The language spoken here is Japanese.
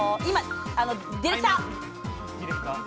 ディレクター。